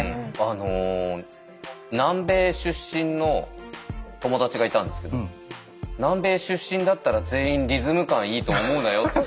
あの南米出身の友達がいたんですけど南米出身だったら全員リズム感いいと思うなよって。